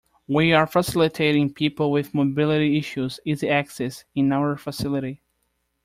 We are facilitating people with mobility issues easy access in our facility.